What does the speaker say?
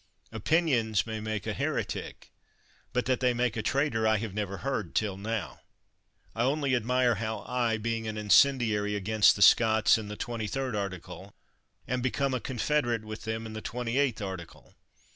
Opinions may make a heretic, but that they make a traitor I have never heard till now. I only admire how I, being an incendiary against the Scots in the twenty third article, am become a confederate with them in the twen ty eighth article!